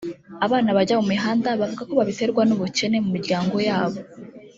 Abana bajya mu mihanda bavuga ko babiterwa n’ubukene mu miryango yabo